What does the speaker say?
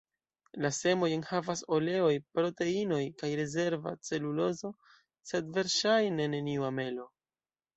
La semoj enhavas oleoj, proteinoj kaj rezerva celulozo, sed verŝajne neniu amelo.